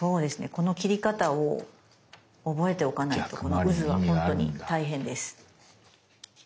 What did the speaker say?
この切り方を覚えておかないとこのうずは本当に大変です。